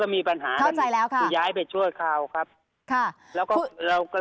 มีปัญหาเป็นย้ายไปชั่วคราวครับ